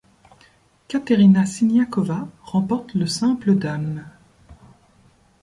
Kateřina Siniaková remporte le simple dames.